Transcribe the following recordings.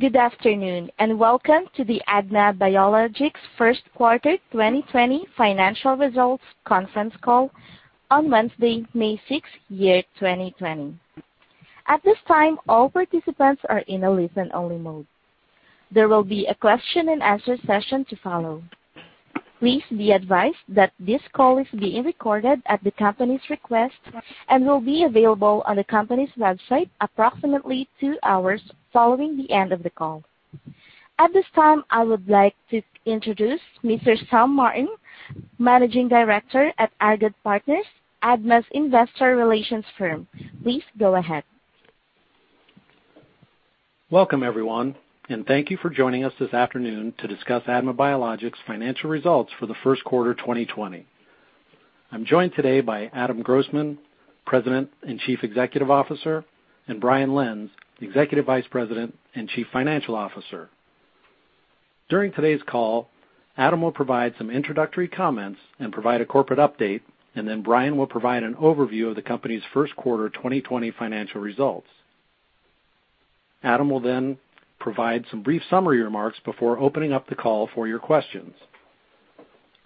Good afternoon, and welcome to the ADMA Biologics first quarter 2020 financial results conference call on Wednesday, May 6th, year 2020. At this time, all participants are in a listen-only mode. There will be a question and answer session to follow. Please be advised that this call is being recorded at the company's request and will be available on the company's website approximately two hours following the end of the call. At this time, I would like to introduce Mr. Sam Martin, Managing Director at Argot Partners, ADMA's investor relations firm. Please go ahead. Welcome, everyone, and thank you for joining us this afternoon to discuss ADMA Biologics' financial results for the first quarter 2020. I'm joined today by Adam Grossman, President and Chief Executive Officer, and Brian Lenz, Executive Vice President and Chief Financial Officer. During today's call, Adam will provide some introductory comments and provide a corporate update, and then Brian will provide an overview of the company's first quarter 2020 financial results. Adam will then provide some brief summary remarks before opening up the call for your questions.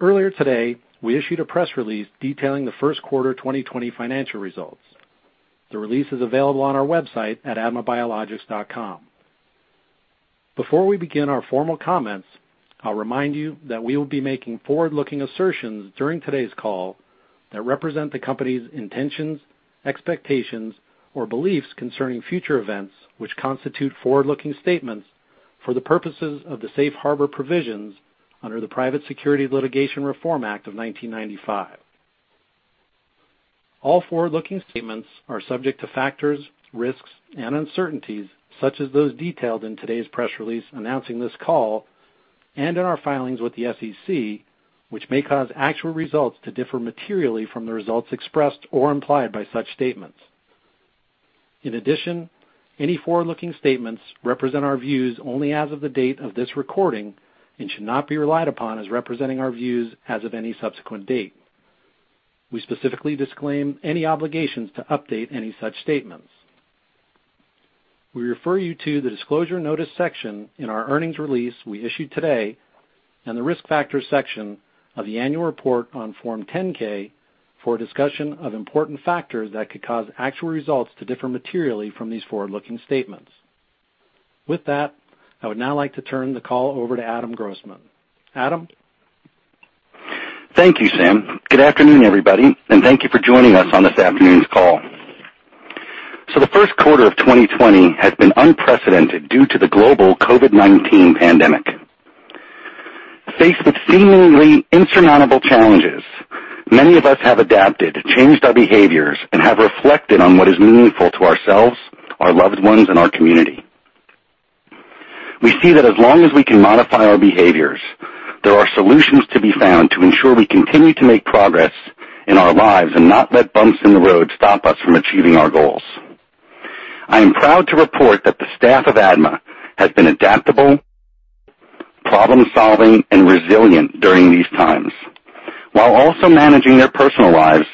Earlier today, we issued a press release detailing the first quarter 2020 financial results. The release is available on our website at admabiologics.com. Before we begin our formal comments, I'll remind you that we will be making forward-looking assertions during today's call that represent the company's intentions, expectations, or beliefs concerning future events, which constitute forward-looking statements for the purposes of the safe harbor provisions under the Private Securities Litigation Reform Act of 1995. All forward-looking statements are subject to factors, risks, and uncertainties, such as those detailed in today's press release announcing this call, and in our filings with the SEC, which may cause actual results to differ materially from the results expressed or implied by such statements. In addition, any forward-looking statements represent our views only as of the date of this recording and should not be relied upon as representing our views as of any subsequent date. We specifically disclaim any obligations to update any such statements. We refer you to the Disclosure Notice section in our earnings release we issued today and the Risk Factors section of the annual report on Form 10-K for a discussion of important factors that could cause actual results to differ materially from these forward-looking statements. With that, I would now like to turn the call over to Adam Grossman. Adam? Thank you, Sam. Good afternoon, everybody, and thank you for joining us on this afternoon's call. The first quarter of 2020 has been unprecedented due to the global COVID-19 pandemic. Faced with seemingly insurmountable challenges, many of us have adapted, changed our behaviors, and have reflected on what is meaningful to ourselves, our loved ones, and our community. We see that as long as we can modify our behaviors, there are solutions to be found to ensure we continue to make progress in our lives and not let bumps in the road stop us from achieving our goals. I am proud to report that the staff of ADMA has been adaptable, problem-solving, and resilient during these times, while also managing their personal lives,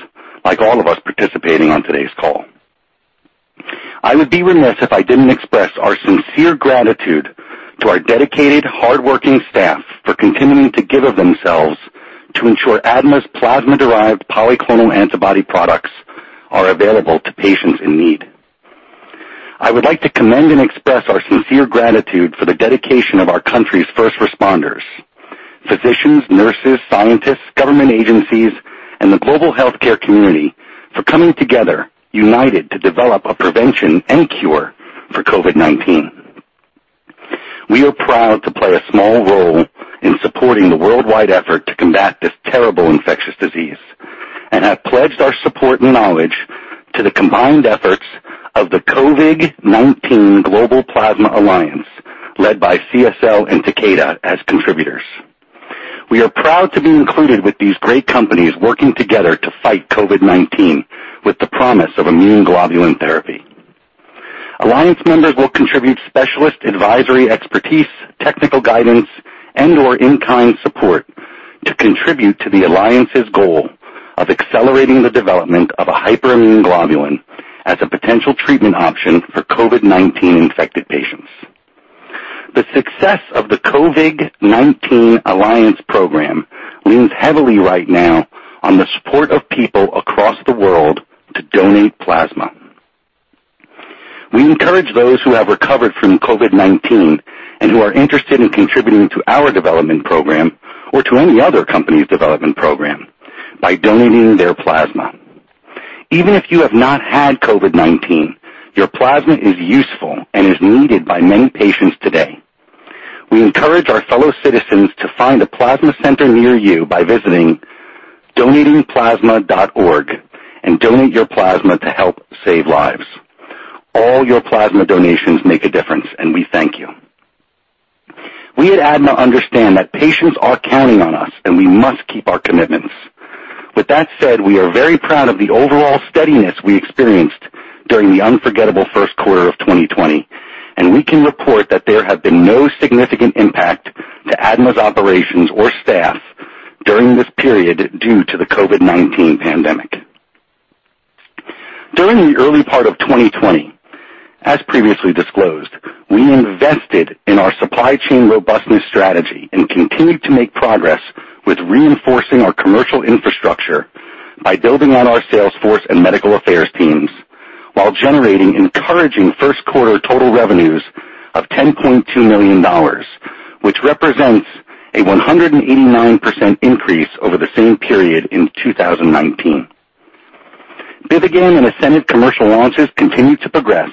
like all of us participating on today's call. I would be remiss if I didn't express our sincere gratitude to our dedicated, hardworking staff for continuing to give of themselves to ensure ADMA's plasma-derived polyclonal antibody products are available to patients in need. I would like to commend and express our sincere gratitude for the dedication of our country's first responders, physicians, nurses, scientists, government agencies, and the global healthcare community for coming together, united to develop a prevention and cure for COVID-19. We are proud to play a small role in supporting the worldwide effort to combat this terrible infectious disease and have pledged our support and knowledge to the combined efforts of the CoVIg-19 Plasma Alliance, led by CSL and Takeda as contributors. We are proud to be included with these great companies working together to fight COVID-19 with the promise of immune globulin therapy. Alliance members will contribute specialist advisory expertise, technical guidance, and/or in-kind support to contribute to the alliance's goal of accelerating the development of a hyperimmune globulin as a potential treatment option for COVID-19-infected patients. The success of the CoVIg-19 Alliance program leans heavily right now on the support of people across the world to donate plasma. We encourage those who have recovered from COVID-19 and who are interested in contributing to our development program or to any other company's development program by donating their plasma. Even if you have not had COVID-19, your plasma is useful and is needed by many patients today. We encourage our fellow citizens to find a plasma center near you by visiting donatingplasma.org and donate your plasma to help save lives. All your plasma donations make a difference, and we thank you. We at ADMA understand that patients are counting on us, and we must keep our commitments. With that said, we are very proud of the overall steadiness we experienced during the unforgettable first quarter of 2020, and we can report that there have been no significant impact to ADMA's operations or staff during this period due to the COVID-19 pandemic. During the early part of 2020, as previously disclosed, we invested in our supply chain robustness strategy and continued to make progress with reinforcing our commercial infrastructure by building out our sales force and medical affairs teams, while generating encouraging first quarter total revenues of $10.2 million, which represents a 189% increase over the same period in 2019. BIVIGAM and ASCENIV commercial launches continue to progress.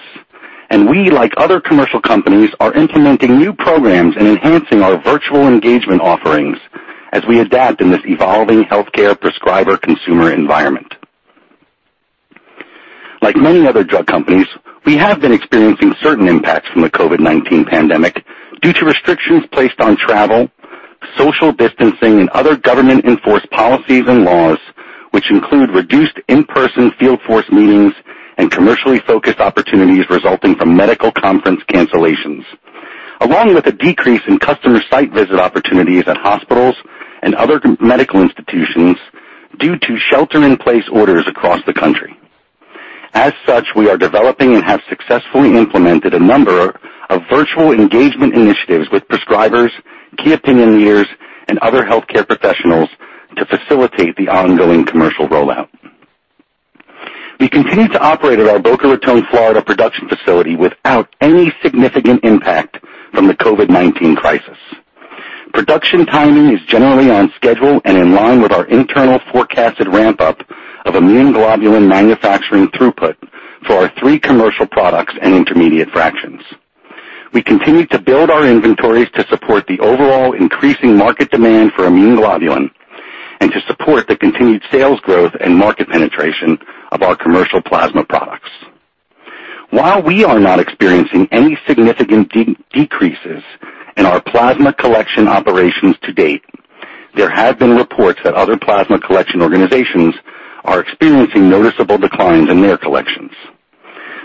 We, like other commercial companies, are implementing new programs and enhancing our virtual engagement offerings as we adapt in this evolving healthcare prescriber consumer environment. Like many other drug companies, we have been experiencing certain impacts from the COVID-19 pandemic due to restrictions placed on travel, social distancing, and other government-enforced policies and laws, which include reduced in-person field force meetings and commercially focused opportunities resulting from medical conference cancellations, along with a decrease in customer site visit opportunities at hospitals and other medical institutions due to shelter-in-place orders across the country. As such, we are developing and have successfully implemented a number of virtual engagement initiatives with prescribers, key opinion leaders, and other healthcare professionals to facilitate the ongoing commercial rollout. We continue to operate at our Boca Raton, Florida, production facility without any significant impact from the COVID-19 crisis. Production timing is generally on schedule and in line with our internal forecasted ramp-up of immune globulin manufacturing throughput for our three commercial products and intermediate fractions. We continue to build our inventories to support the overall increasing market demand for immune globulin and to support the continued sales growth and market penetration of our commercial plasma products. While we are not experiencing any significant decreases in our plasma collection operations to date, there have been reports that other plasma collection organizations are experiencing noticeable declines in their collections.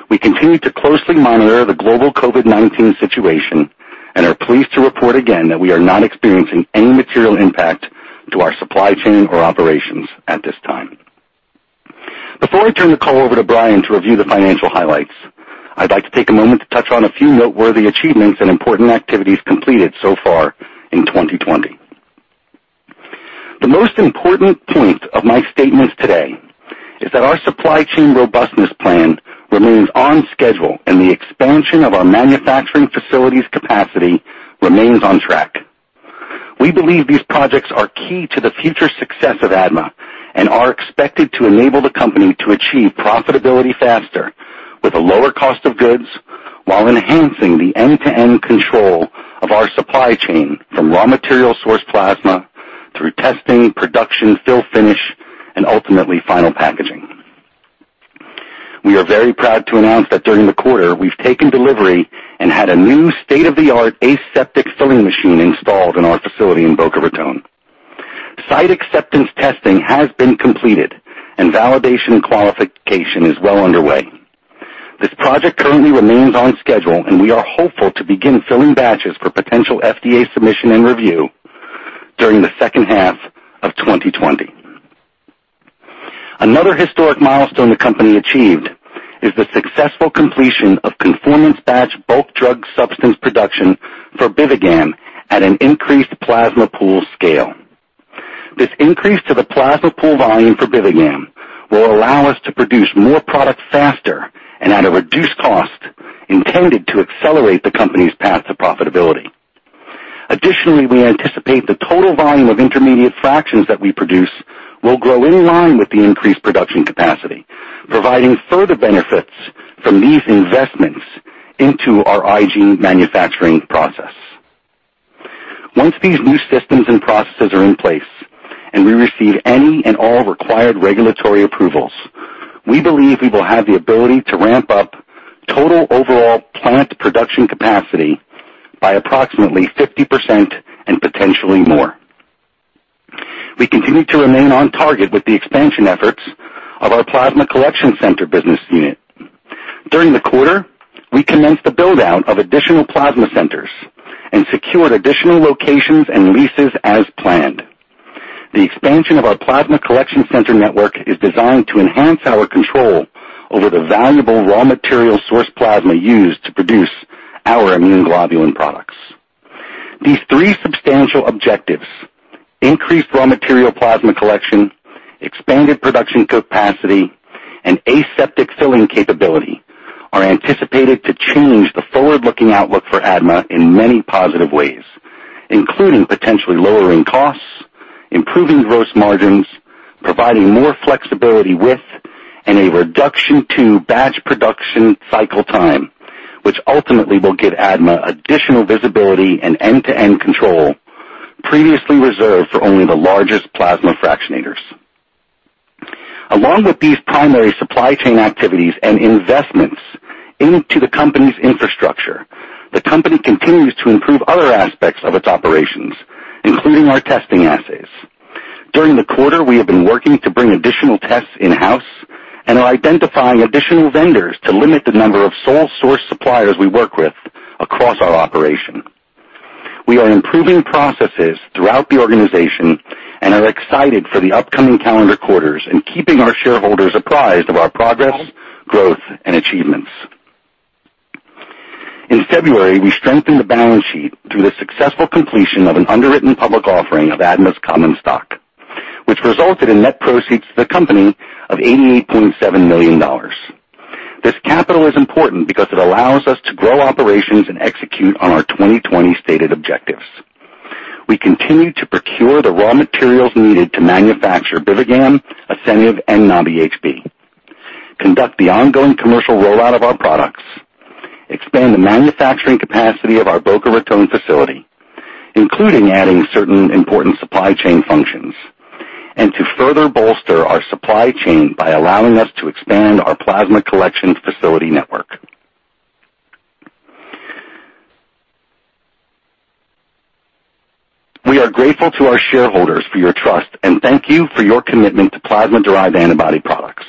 We continue to closely monitor the global COVID-19 situation and are pleased to report again that we are not experiencing any material impact to our supply chain or operations at this time. Before I turn the call over to Brian to review the financial highlights, I'd like to take a moment to touch on a few noteworthy achievements and important activities completed so far in 2020. The most important point of my statements today is that our supply chain robustness plan remains on schedule, and the expansion of our manufacturing facilities' capacity remains on track. We believe these projects are key to the future success of ADMA and are expected to enable the company to achieve profitability faster, with a lower cost of goods while enhancing the end-to-end control of our supply chain from raw material source plasma through testing, production, fill finish, and ultimately, final packaging. We are very proud to announce that during the quarter, we've taken delivery and had a new state-of-the-art aseptic filling machine installed in our facility in Boca Raton. Site acceptance testing has been completed, and validation and qualification is well underway. This project currently remains on schedule, and we are hopeful to begin filling batches for potential FDA submission and review during the second half of 2020. Another historic milestone the company achieved is the successful completion of conformance batch bulk drug substance production for BIVIGAM at an increased plasma pool scale. This increase to the plasma pool volume for BIVIGAM will allow us to produce more product faster and at a reduced cost intended to accelerate the company's path to profitability. Additionally, we anticipate the total volume of intermediate fractions that we produce will grow in line with the increased production capacity, providing further benefits from these investments into our IG manufacturing process. Once these new systems and processes are in place and we receive any and all required regulatory approvals, we believe we will have the ability to ramp up total overall plant production capacity by approximately 50% and potentially more. We continue to remain on target with the expansion efforts of our Plasma Collection Center business unit. During the quarter, we commenced the build-out of additional plasma centers and secured additional locations and leases as planned. The expansion of our Plasma Collection Center network is designed to enhance our control over the valuable raw material source plasma used to produce our immune globulin products. These three substantial objectives, increased raw material plasma collection, expanded production capacity, and aseptic filling capability, are anticipated to change the forward-looking outlook for ADMA in many positive ways, including potentially lowering costs, improving gross margins, providing more flexibility with and a reduction to batch production cycle time, which ultimately will give ADMA additional visibility and end-to-end control previously reserved for only the largest plasma fractionators. Along with these primary supply chain activities and investments into the company's infrastructure, the company continues to improve other aspects of its operations, including our testing assays. During the quarter, we have been working to bring additional tests in-house and are identifying additional vendors to limit the number of sole source suppliers we work with across our operation. We are improving processes throughout the organization and are excited for the upcoming calendar quarters and keeping our shareholders apprised of our progress, growth, and achievements. In February, we strengthened the balance sheet through the successful completion of an underwritten public offering of ADMA's common stock, which resulted in net proceeds to the company of $88.7 million. This capital is important because it allows us to grow operations and execute on our 2020 stated objectives. We continue to procure the raw materials needed to manufacture BIVIGAM, ASCENIV, and NABI-HB, conduct the ongoing commercial rollout of our products, expand the manufacturing capacity of our Boca Raton facility, including adding certain important supply chain functions, and to further bolster our supply chain by allowing us to expand our plasma collection facility network. We are grateful to our shareholders for your trust, and thank you for your commitment to plasma-derived antibody products.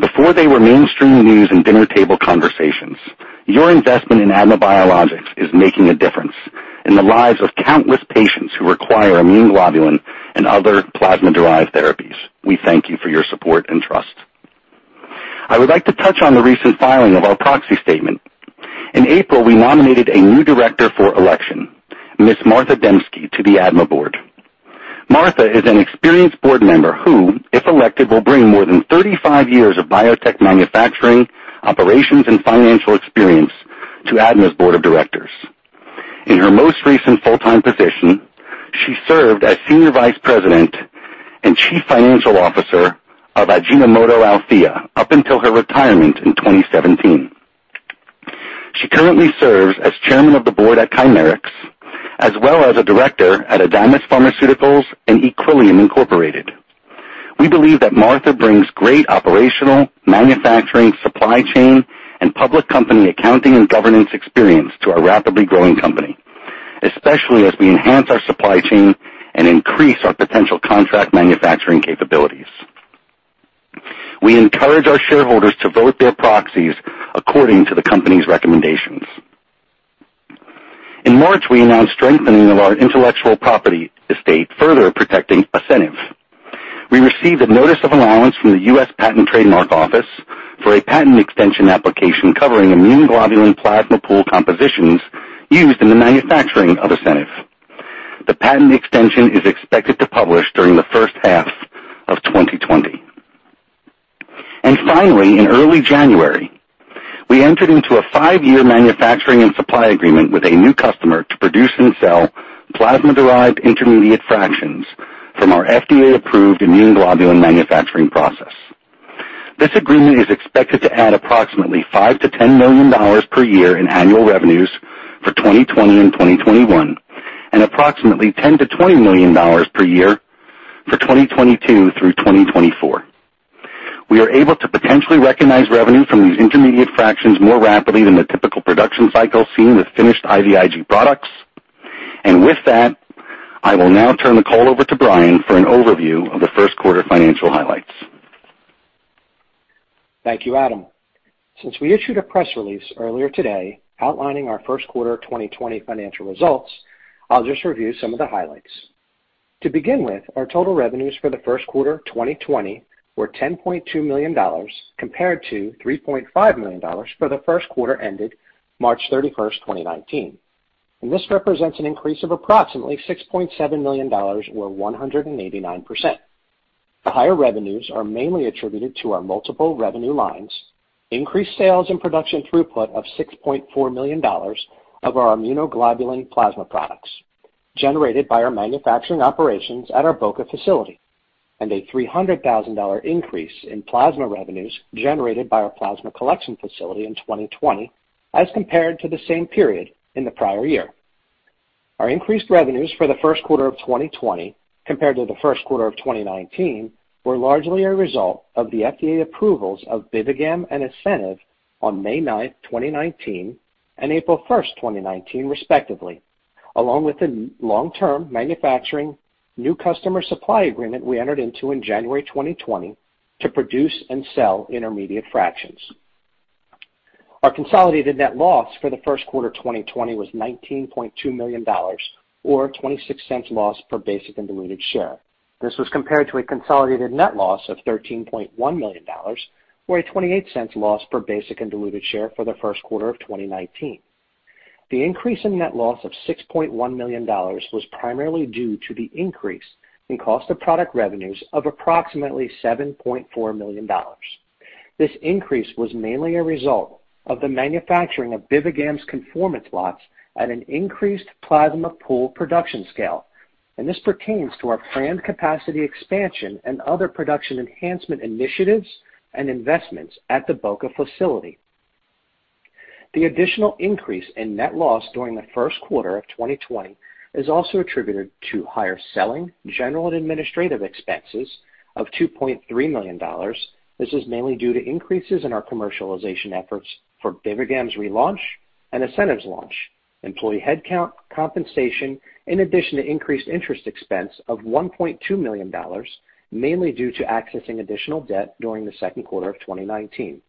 Before they were mainstream news and dinner table conversations, your investment in ADMA Biologics is making a difference in the lives of countless patients who require immune globulin and other plasma-derived therapies. We thank you for your support and trust. I would like to touch on the recent filing of our proxy statement. In April, we nominated a new director for election, Ms. Martha Demski, to the ADMA board. Martha is an experienced board member who, if elected, will bring more than 35 years of biotech manufacturing, operations, and financial experience to ADMA's board of directors. In her most recent full-time position, she served as Senior Vice President and Chief Financial Officer of Ajinomoto Althea up until her retirement in 2017. She currently serves as chairman of the board at Chimerix, as well as a director at Adamis Pharmaceuticals and Equillium, Inc. We believe that Martha Demski brings great operational, manufacturing, supply chain, and public company accounting and governance experience to our rapidly growing company, especially as we enhance our supply chain and increase our potential contract manufacturing capabilities. We encourage our shareholders to vote their proxies according to the company's recommendations. In March, we announced strengthening of our intellectual property estate, further protecting ASCENIV. We received a notice of allowance from the United States Patent and Trademark Office for a patent extension application covering immune globulin plasma pool compositions used in the manufacturing of ASCENIV. The patent extension is expected to publish during the first half of 2020. Finally, in early January, we entered into a five-year manufacturing and supply agreement with a new customer to produce and sell plasma-derived intermediate fractions from our FDA-approved immune globulin manufacturing process. This agreement is expected to add approximately $5 million-$10 million per year in annual revenues for 2020 and 2021, and approximately $10 million-$20 million per year for 2022 through 2024. We are able to potentially recognize revenue from these intermediate fractions more rapidly than the typical production cycle seen with finished IVIG products. With that, I will now turn the call over to Brian for an overview of the first quarter financial highlights. Thank you, Adam. Since we issued a press release earlier today outlining our first quarter 2020 financial results, I'll just review some of the highlights. To begin with, our total revenues for the first quarter 2020 were $10.2 million compared to $3.5 million for the first quarter ended March 31st, 2019. This represents an increase of approximately $6.7 million or 189%. The higher revenues are mainly attributed to our multiple revenue lines, increased sales and production throughput of $6.4 million of our immunoglobulin plasma products generated by our manufacturing operations at our Boca facility, and a $300,000 increase in plasma revenues generated by our plasma collection facility in 2020 as compared to the same period in the prior year. Our increased revenues for the first quarter of 2020 compared to the first quarter of 2019 were largely a result of the FDA approvals of BIVIGAM and ASCENIV on May 9th, 2019, and April 1st, 2019 respectively, along with the long-term manufacturing new customer supply agreement we entered into in January 2020 to produce and sell intermediate fractions. Our consolidated net loss for the first quarter 2020 was $19.2 million or $0.26 loss per basic and diluted share. This was compared to a consolidated net loss of $13.1 million or a $0.28 loss per basic and diluted share for the first quarter of 2019. The increase in net loss of $6.1 million was primarily due to the increase in cost of product revenues of approximately $7.4 million. This increase was mainly a result of the manufacturing of BIVIGAM's conformance lots at an increased plasma pool production scale, and this pertains to our planned capacity expansion and other production enhancement initiatives and investments at the Boca facility. The additional increase in net loss during the first quarter of 2020 is also attributed to higher selling, general and administrative expenses of $2.3 million. This is mainly due to increases in our commercialization efforts for BIVIGAM's relaunch and ASCENIV's launch, employee headcount, compensation, in addition to increased interest expense of $1.2 million, mainly due to accessing additional debt during the second quarter of 2019,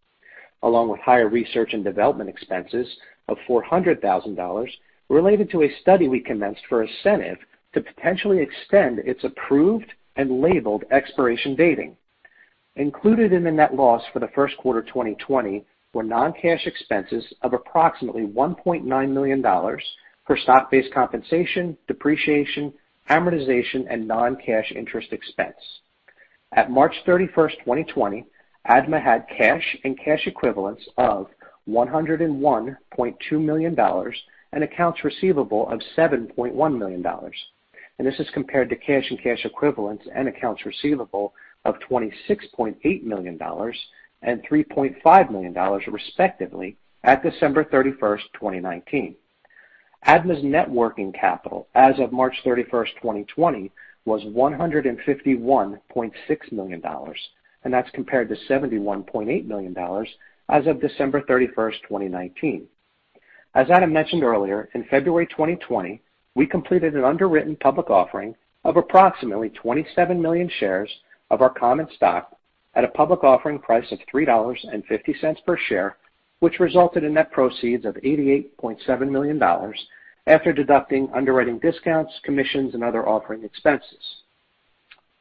along with higher research and development expenses of $400,000 related to a study we commenced for ASCENIV to potentially extend its approved and labeled expiration dating. Included in the net loss for the first quarter 2020 were non-cash expenses of approximately $1.9 million for stock-based compensation, depreciation, amortization, and non-cash interest expense. At March 31st, 2020, ADMA had cash and cash equivalents of $101.2 million and accounts receivable of $7.1 million, and this is compared to cash and cash equivalents and accounts receivable of $26.8 million and $3.5 million, respectively, at December 31st, 2019. ADMA's net working capital as of March 31st, 2020 was $151.6 million, and that's compared to $71.8 million as of December 31st, 2019. As Adam mentioned earlier, in February 2020, we completed an underwritten public offering of approximately 27 million shares of our common stock at a public offering price of $3.50 per share, which resulted in net proceeds of $88.7 million after deducting underwriting discounts, commissions, and other offering expenses.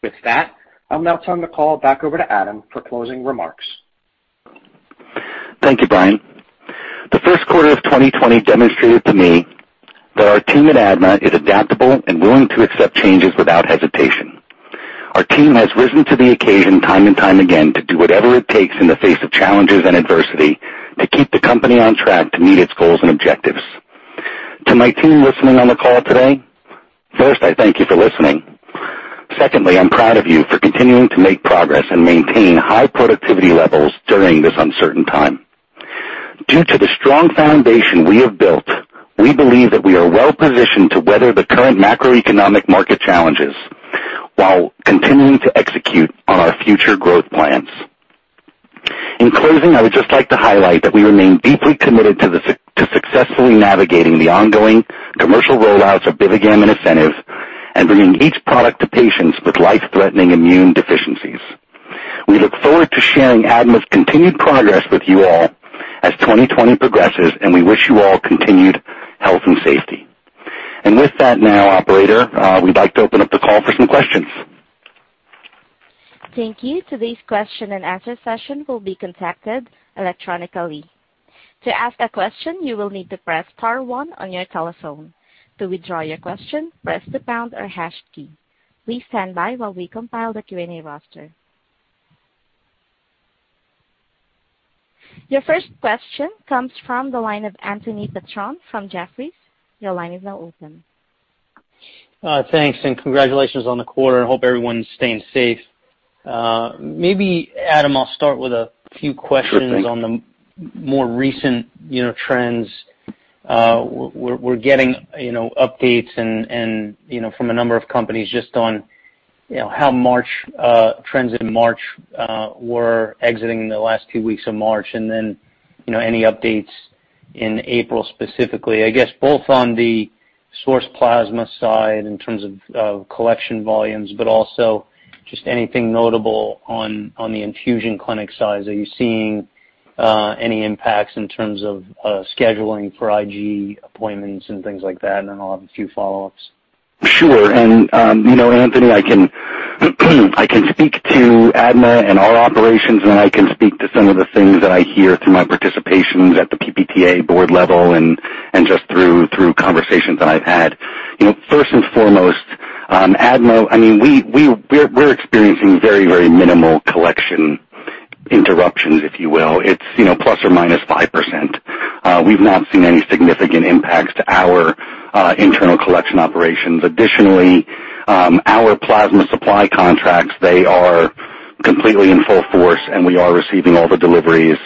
With that, I'll now turn the call back over to Adam for closing remarks. Thank you, Brian. The first quarter of 2020 demonstrated to me that our team at ADMA is adaptable and willing to accept changes without hesitation. Our team has risen to the occasion time and time again to do whatever it takes in the face of challenges and adversity to keep the company on track to meet its goals and objectives. To my team listening on the call today, first, I thank you for listening. Secondly, I'm proud of you for continuing to make progress and maintain high productivity levels during this uncertain time. Due to the strong foundation we have built, we believe that we are well-positioned to weather the current macroeconomic market challenges while continuing to execute on our future growth plans. In closing, I would just like to highlight that we remain deeply committed to successfully navigating the ongoing commercial rollouts of BIVIGAM and ASCENIV and bringing each product to patients with life-threatening immune deficiencies. We look forward to sharing ADMA's continued progress with you all as 2020 progresses, and we wish you all continued health and safety. With that now, operator, we'd like to open up the call for some questions. Thank you. Today's question and answer session will be conducted electronically. To ask a question, you will need to press star one on your telephone. To withdraw your question, press the pound or hash key. Please stand by while we compile the Q&A roster. Your first question comes from the line of Anthony Petrone from Jefferies. Your line is now open. Thanks, and congratulations on the quarter, and hope everyone's staying safe. Maybe, Adam, I'll start with a few questions. Sure thing. on the more recent trends. We're getting updates from a number of companies just on how trends in March were exiting the last two weeks of March and then any updates in April specifically. I guess both on the source plasma side in terms of collection volumes but also just anything notable on the infusion clinic side. Are you seeing any impacts in terms of scheduling for IG appointments and things like that? I'll have a few follow-ups. Sure. Anthony, I can speak to ADMA and our operations, then I can speak to some of the things that I hear through my participations at the PPTA board level and just through conversations that I've had. First and foremost, ADMA, we're experiencing very minimal collection interruptions, if you will. It's ±5%. We've not seen any significant impacts to our internal collection operations. Additionally, our plasma supply contracts, they are completely in full force, and we are receiving all the deliveries.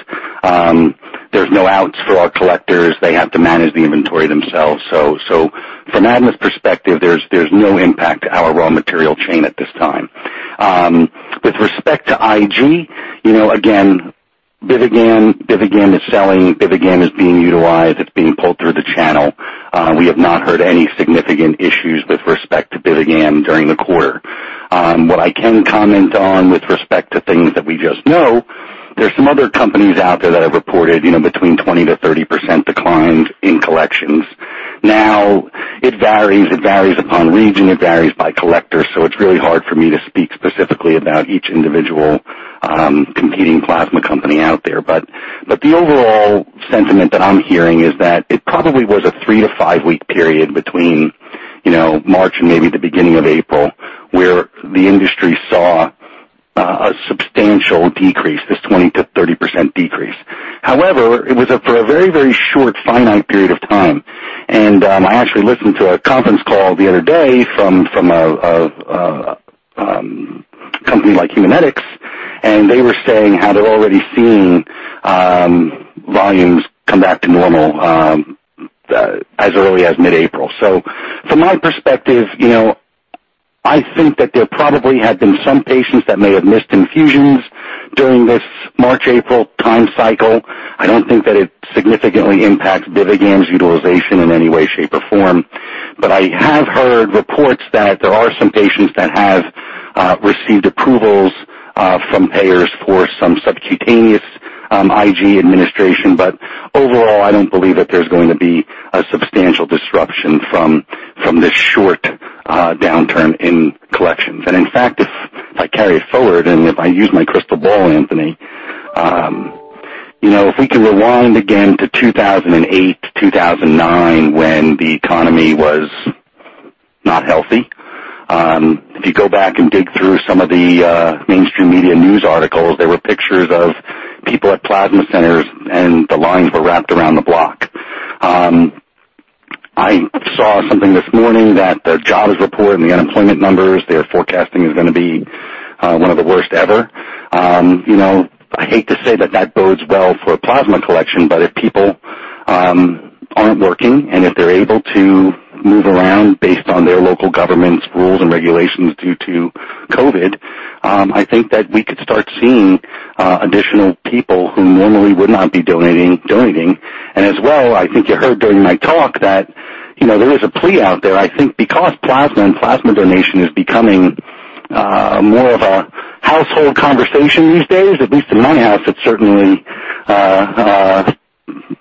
There's no outs for our collectors. They have to manage the inventory themselves. From ADMA's perspective, there's no impact to our raw material chain at this time. With respect to IG, again, BIVIGAM is selling. BIVIGAM is being utilized. It's being pulled through the channel. We have not heard any significant issues with respect to BIVIGAM during the quarter. What I can comment on with respect to things that we just know, there's some other companies out there that have reported between 20%-30% declines in collections. It varies. It varies upon region. It varies by collector. It's really hard for me to speak specifically about each individual competing plasma company out there. The overall sentiment that I'm hearing is that it probably was a three to five-week period between March and maybe the beginning of April, where the industry saw a substantial decrease, this 20%-30% decrease. It was for a very short finite period of time. I actually listened to a conference call the other day from a company like Haemonetics, and they were saying how they're already seeing volumes come back to normal as early as mid-April. From my perspective, I think that there probably have been some patients that may have missed infusions during this March, April time cycle. I don't think that it significantly impacts BIVIGAM's utilization in any way, shape, or form. I have heard reports that there are some patients that have received approvals from payers for some subcutaneous IG administration. Overall, I don't believe that there's going to be a substantial disruption from this short downturn in collections. In fact, if I carry it forward and if I use my crystal ball, Anthony, if we can rewind again to 2008, 2009, when the economy was not healthy, if you go back and dig through some of the mainstream media news articles, there were pictures of people at plasma centers and the lines were wrapped around the block. I saw something this morning that the jobs report and the unemployment numbers they are forecasting is going to be one of the worst ever. I hate to say that that bodes well for plasma collection, if people aren't working and if they're able to move around based on their local government's rules and regulations due to COVID, I think that we could start seeing additional people who normally would not be donating. As well, I think you heard during my talk that there is a plea out there, I think because plasma and plasma donation is becoming more of a household conversation these days, at least in my house, it's certainly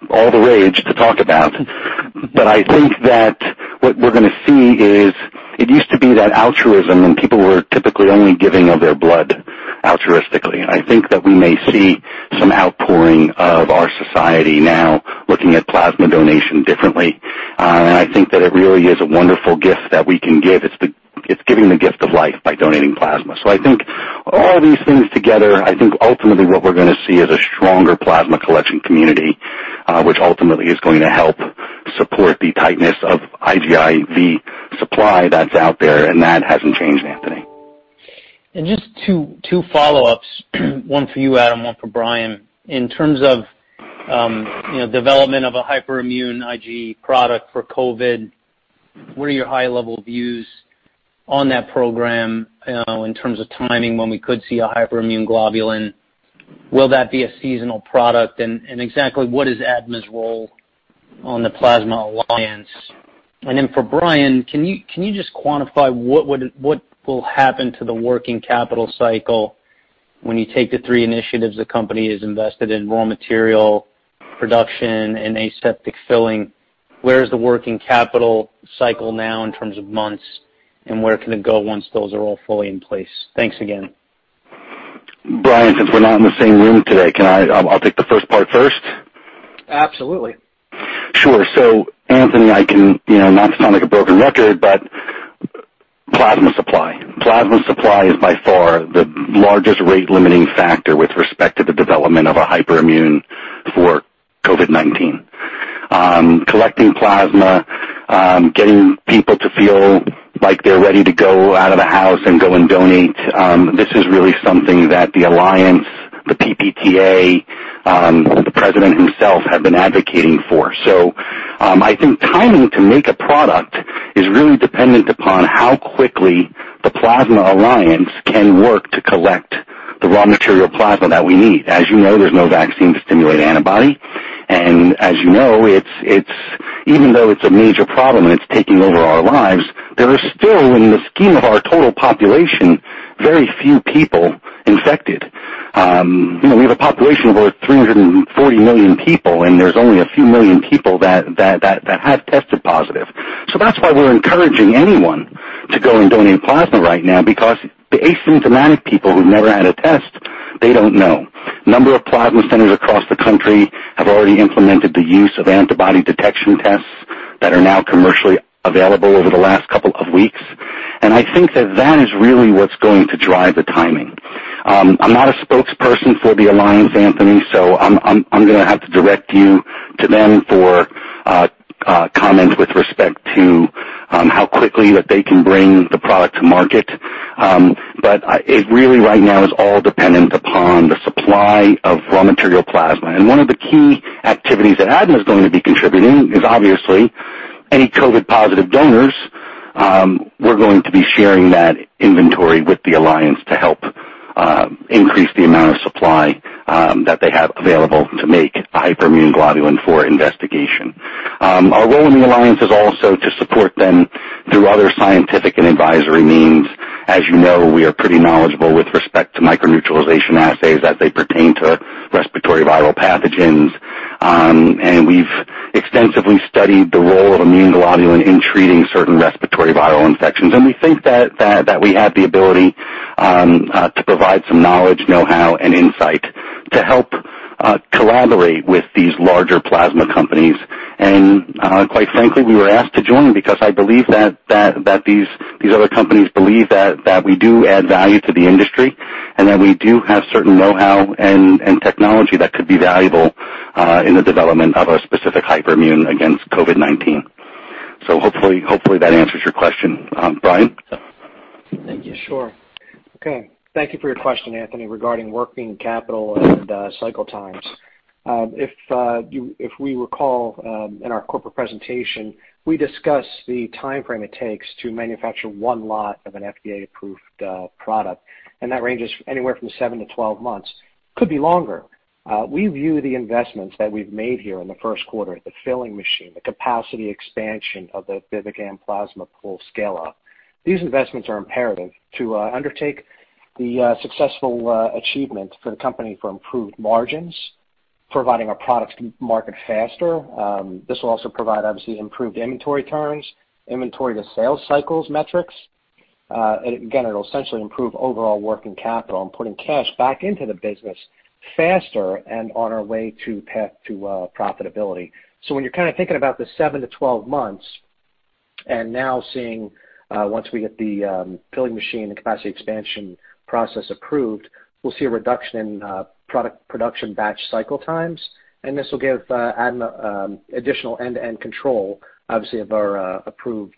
all the rage to talk about. I think that what we're going to see is it used to be that altruism and people were typically only giving of their blood altruistically. I think that we may see some outpouring of our society now looking at plasma donation differently. I think that it really is a wonderful gift that we can give. It's giving the gift of life by donating plasma. I think all these things together, I think ultimately what we're going to see is a stronger plasma collection community, which ultimately is going to help support the tightness of IVIG supply that's out there, and that hasn't changed, Anthony. Just two follow-ups, one for you, Adam, one for Brian. In terms of development of a hyperimmune IG product for COVID-19, what are your high-level views on that program in terms of timing when we could see a hyperimmune globulin? Will that be a seasonal product? Exactly what is ADMA's role on the CoVIg-19 Plasma Alliance? For Brian, can you just quantify what will happen to the working capital cycle when you take the three initiatives the company has invested in raw material production and aseptic filling? Where is the working capital cycle now in terms of months, and where can it go once those are all fully in place? Thanks again. Brian, since we're not in the same room today, I'll take the first part first. Absolutely. Sure. Anthony, not to sound like a broken record, but plasma supply. Plasma supply is by far the largest rate-limiting factor with respect to the development of a hyperimmune for COVID-19. Collecting plasma, getting people to feel like they're ready to go out of the house and go and donate, this is really something that the Plasma Alliance, the PPTA, the president himself have been advocating for. I think timing to make a product is really dependent upon how quickly the Plasma Alliance can work to collect the raw material plasma that we need. As you know, there's no vaccine to stimulate antibody, and as you know, even though it's a major problem and it's taking over our lives, there are still, in the scheme of our total population, very few people infected. We have a population of over 340 million people, and there's only a few million people that have tested positive. That's why we're encouraging anyone to go and donate plasma right now because the asymptomatic people who never had a test, they don't know. A number of plasma centers across the country have already implemented the use of antibody detection tests that are now commercially available over the last couple of weeks. I think that that is really what's going to drive the timing. I'm not a spokesperson for the Alliance, Anthony, so I'm going to have to direct you to them for comments with respect to how quickly that they can bring the product to market. It really right now is all dependent upon the supply of raw material plasma. One of the key activities that ADMA is going to be contributing is obviously any COVID positive donors, we're going to be sharing that inventory with the Alliance to help increase the amount of supply that they have available to make a hyperimmune globulin for investigation. Our role in the Alliance is also to support them through other scientific and advisory means. As you know, we are pretty knowledgeable with respect to microneutralization assays as they pertain to respiratory viral pathogens. We've extensively studied the role of immune globulin in treating certain respiratory viral infections. We think that we have the ability to provide some knowledge, know-how, and insight to help collaborate with these larger plasma companies. Quite frankly, we were asked to join because I believe that these other companies believe that we do add value to the industry and that we do have certain know-how and technology that could be valuable in the development of a specific hyperimmune against COVID-19. Hopefully that answers your question. Brian? Thank you. Sure. Okay. Thank you for your question, Anthony, regarding working capital and cycle times. If we recall in our corporate presentation, we discussed the timeframe it takes to manufacture one lot of an FDA-approved product, and that ranges anywhere from seven to 12 months, could be longer. We view the investments that we've made here in the first quarter, the filling machine, the capacity expansion of the BIVIGAM plasma pool scale-up. These investments are imperative to undertake the successful achievement for the company for improved margins, providing our products to market faster. This will also provide, obviously, improved inventory turns, inventory-to-sales cycles metrics. Again, it'll essentially improve overall working capital and putting cash back into the business faster and on our way to path to profitability. When you're thinking about this 7 to 12 months and now seeing, once we get the filling machine and capacity expansion process approved, we'll see a reduction in product production batch cycle times. This will give Adam additional end-to-end control, obviously, of our approved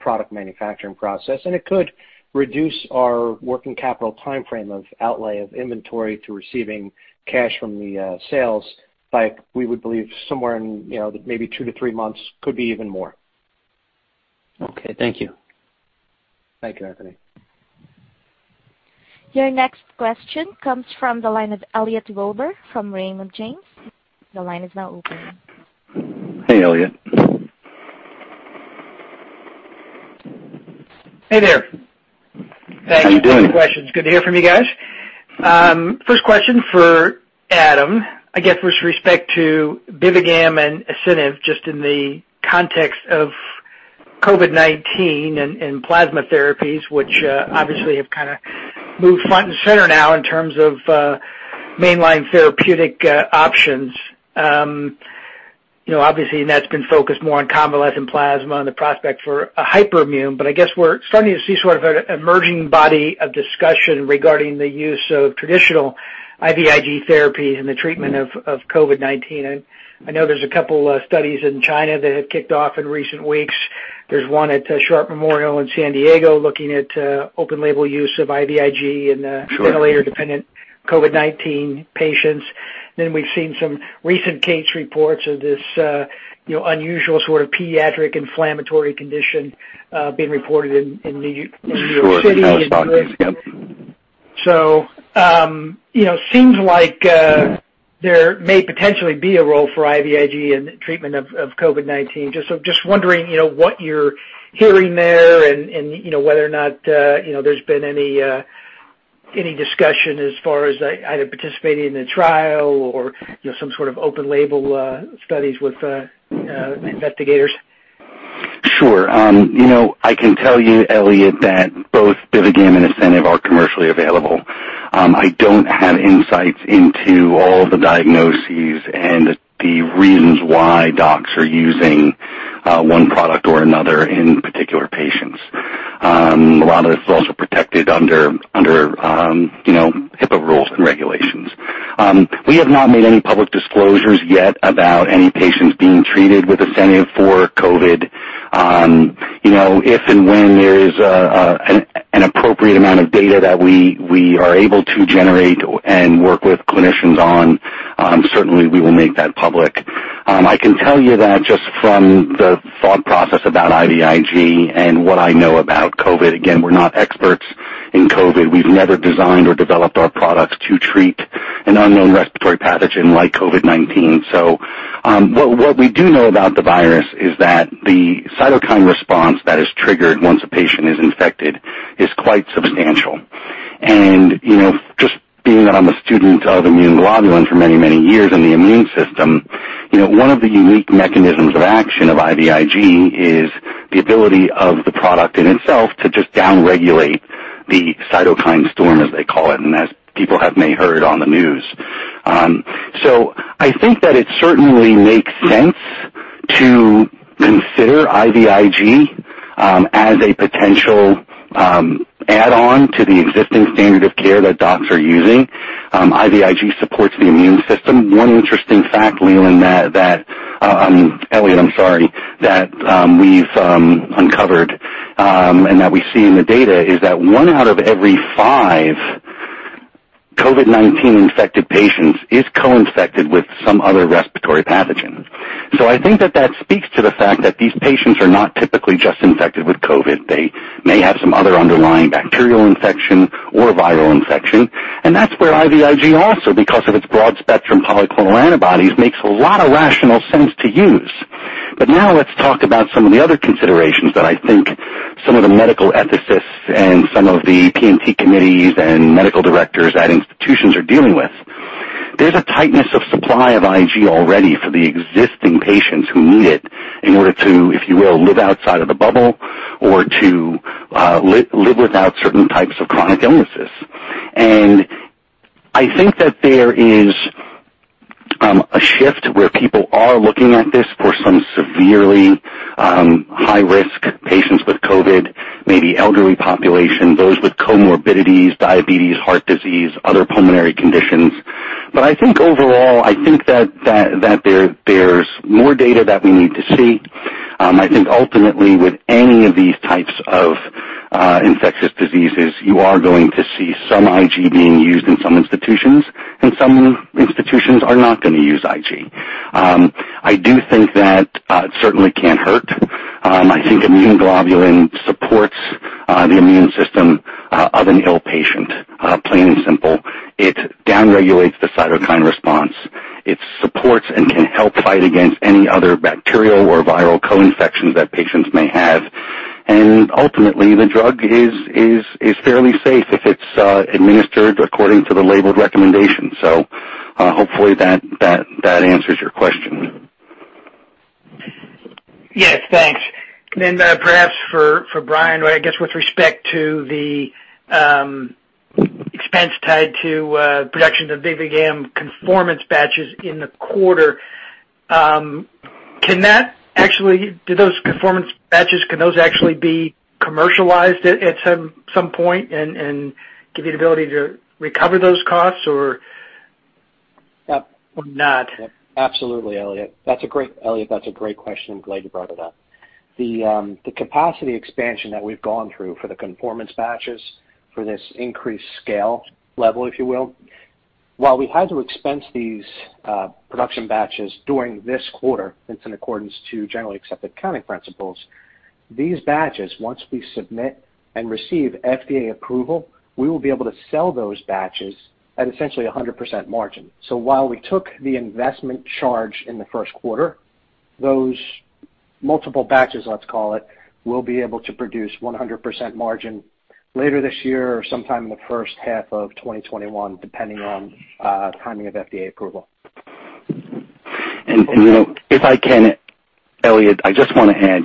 product manufacturing process. It could reduce our working capital timeframe of outlay of inventory to receiving cash from the sales by, we would believe, somewhere in maybe two to three months, could be even more. Okay, thank you. Thank you, Anthony. Your next question comes from the line of Elliot Wilbur from Raymond James. The line is now open. Hey, Elliot. Hey there. How you doing? Thank you for the questions. Good to hear from you guys. First question for Adam, I guess with respect to BIVIGAM and ASCENIV, just in the context of COVID-19 and plasma therapies, which obviously have kind of moved front and center now in terms of mainline therapeutic options. That's been focused more on convalescent plasma and the prospect for a hyperimmune, I guess we're starting to see sort of an emerging body of discussion regarding the use of traditional IVIG therapy in the treatment of COVID-19. I know there's a couple of studies in China that have kicked off in recent weeks. There's one at Sharp Memorial in San Diego looking at open label use of IVIG. Sure. Ventilator-dependent COVID-19 patients. We've seen some recent case reports of this unusual sort of pediatric inflammatory condition, being reported in New York City. Sure. In California. Yep. It seems like there may potentially be a role for IVIG in the treatment of COVID-19. Just wondering what you're hearing there and whether or not there's been any discussion as far as either participating in a trial or some sort of open label studies with investigators? Sure. I can tell you, Elliot, that both BIVIGAM and ASCENIV are commercially available. I don't have insights into all the diagnoses and the reasons why docs are using one product or another in particular patients. A lot of it is also protected under HIPAA rules and regulations. We have not made any public disclosures yet about any patients being treated with ASCENIV for COVID. If and when there is an appropriate amount of data that we are able to generate and work with clinicians on, certainly we will make that public. I can tell you that just from the thought process about IVIG and what I know about COVID, again, we're not experts in COVID. We've never designed or developed our products to treat an unknown respiratory pathogen like COVID-19. What we do know about the virus is that the cytokine response that is triggered once a patient is infected is quite substantial. Just being that I'm a student of immune globulin for many, many years in the immune system, one of the unique mechanisms of action of IVIG is the ability of the product in itself to just down-regulate the cytokine storm, as they call it, and as people have may heard on the news. I think that it certainly makes sense to consider IVIG as a potential add-on to the existing standard of care that docs are using. IVIG supports the immune system. One interesting fact, Leland, that Elliot, I'm sorry, that we've uncovered, and that we see in the data is that one out of every five COVID-19-infected patients is co-infected with some other respiratory pathogen. I think that that speaks to the fact that these patients are not typically just infected with COVID. They may have some other underlying bacterial infection or viral infection. That's where IVIG also, because of its broad-spectrum polyclonal antibodies, makes a lot of rational sense to use. Now let's talk about some of the other considerations that I think some of the medical ethicists and some of the P&T committees and medical directors at institutions are dealing with. There's a tightness of supply of IG already for the existing patients who need it in order to, if you will, live outside of the bubble or to live without certain types of chronic illnesses. I think that there is a shift where people are looking at this for some severely high-risk patients with COVID, maybe elderly population, those with comorbidities, diabetes, heart disease, other pulmonary conditions. I think overall, I think that there's more data that we need to see. I think ultimately, with any of these types of infectious diseases, you are going to see some IG being used in some institutions, and some institutions are not going to use IG. I do think that it certainly can't hurt. I think immune globulin supports The immune system of an ill patient, plain and simple. It down-regulates the cytokine response. It supports and can help fight against any other bacterial or viral co-infections that patients may have. Ultimately, the drug is fairly safe if it's administered according to the labeled recommendation. Hopefully that answers your question. Yes, thanks. Perhaps for Brian, I guess with respect to the expense tied to production of IVIg conformance batches in the quarter, do those conformance batches, can those actually be commercialized at some point and give you the ability to recover those costs or not? Absolutely, Elliot. Elliot, that's a great question. I'm glad you brought it up. The capacity expansion that we've gone through for the conformance batches for this increased scale level, if you will, while we had to expense these production batches during this quarter, it's in accordance to generally accepted accounting principles. These batches, once we submit and receive FDA approval, we will be able to sell those batches at essentially 100% margin. While we took the investment charge in the first quarter, those multiple batches, let's call it, will be able to produce 100% margin later this year or sometime in the first half of 2021, depending on timing of FDA approval. If I can, Elliot, I just want to add,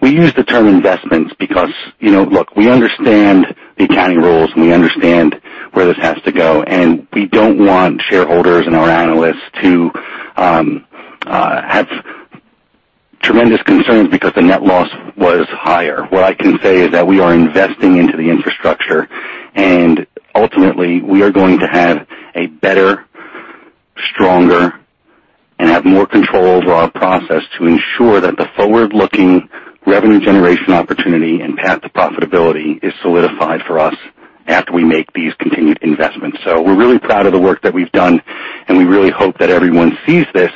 we use the term investments because, look, we understand the accounting rules, and we understand where this has to go, and we don't want shareholders and our analysts to have tremendous concerns because the net loss was higher. What I can say is that we are investing into the infrastructure, and ultimately, we are going to have a better, stronger, and have more control over our process to ensure that the forward-looking revenue generation opportunity and path to profitability is solidified for us after we make these continued investments. We're really proud of the work that we've done, and we really hope that everyone sees this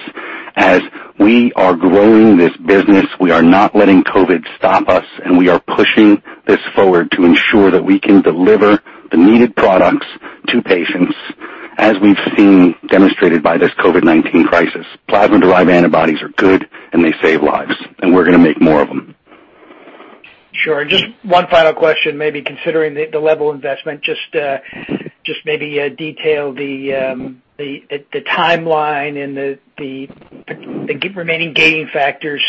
as we are growing this business. We are not letting COVID stop us, and we are pushing this forward to ensure that we can deliver the needed products to patients, as we've seen demonstrated by this COVID-19 crisis. Plasma-derived antibodies are good, and they save lives, and we're going to make more of them. Sure. Just one final question, maybe considering the level of investment, just maybe detail the timeline and the remaining gating factors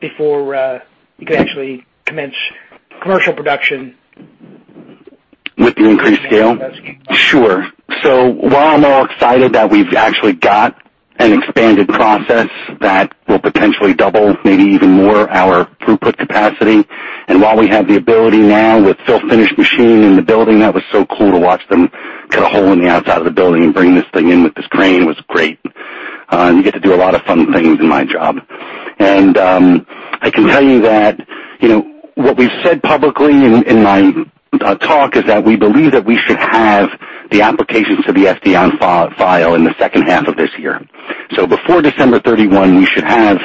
before you can actually commence commercial production? With the increased scale? Sure. While I'm all excited that we've actually got an expanded process that will potentially double, maybe even more, our throughput capacity, and while we have the ability now with fill-finish machine in the building, that was so cool to watch them cut a hole in the outside of the building and bring this thing in with this crane was great. You get to do a lot of fun things in my job. I can tell you that what we've said publicly in my talk is that we believe that we should have the applications to the FDA on file in the second half of this year. Before December 31st, we should have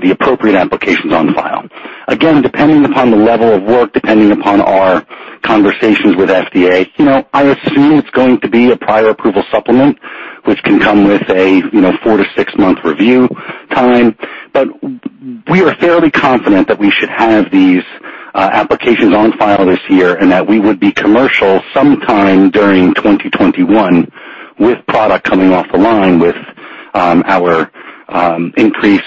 the appropriate applications on file. Depending upon the level of work, depending upon our conversations with FDA, I assume it's going to be a prior approval supplement, which can come with a four to six-month review time. We are fairly confident that we should have these applications on file this year, and that we would be commercial sometime during 2021 with product coming off the line with our increased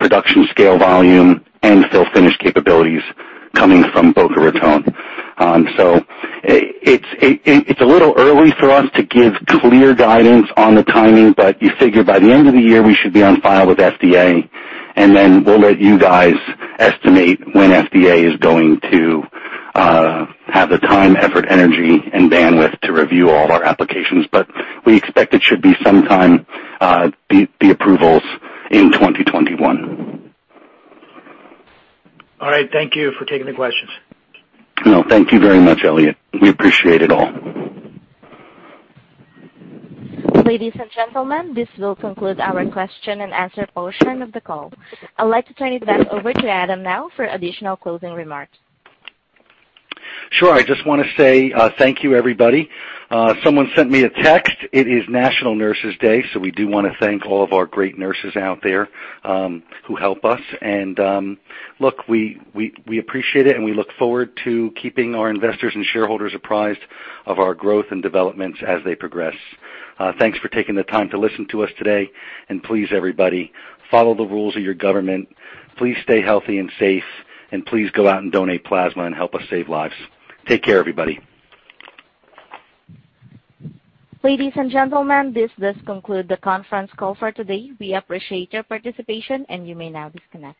production scale volume and fill-finish capabilities coming from Boca Raton. It's a little early for us to give clear guidance on the timing, but you figure by the end of the year, we should be on file with FDA, and then we'll let you guys estimate when FDA is going to have the time, effort, energy, and bandwidth to review all of our applications. We expect it should be sometime, the approvals, in 2021. All right. Thank you for taking the questions. No, thank you very much, Elliot. We appreciate it all. Ladies and gentlemen, this will conclude our question-and-answer portion of the call. I'd like to turn it back over to Adam now for additional closing remarks. Sure. I just want to say thank you, everybody. Someone sent me a text. It is National Nurses Day. We do want to thank all of our great nurses out there who help us. Look, we appreciate it, and we look forward to keeping our investors and shareholders apprised of our growth and developments as they progress. Thanks for taking the time to listen to us today. Please, everybody, follow the rules of your government. Please stay healthy and safe. Please go out and donate plasma and help us save lives. Take care, everybody. Ladies and gentlemen, this does conclude the conference call for today. We appreciate your participation, and you may now disconnect.